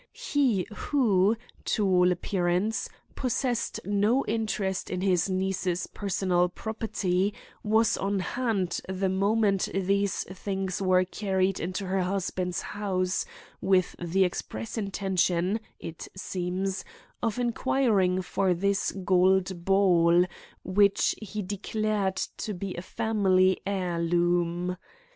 He who, to all appearance, possessed no interest in his niece's personal property, was on hand the moment these things were carried into her husband's house, with the express intention, it seems, of inquiring for this gold ball, which he declared to be a family heirloom.